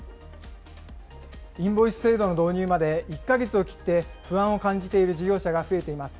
インボイス制度の導入まで１か月を切って、不安を感じている事業者が増えています。